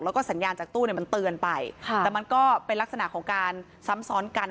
แล้วก็สัญญาณจากตู้เนี่ยมันเตือนไปค่ะแต่มันก็เป็นลักษณะของการซ้ำซ้อนกัน